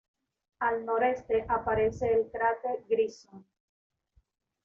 Al noroeste aparece el cráter Grissom.